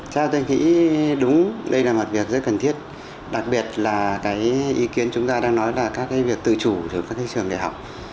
chắc tôi nghĩ đúng đây là một việc rất cần thiết đặc biệt là cái ý kiến chúng ta đang nói là các cái việc tự chủ trong các thị trường đại học